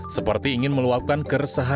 seperti ingin meluapkan keresahan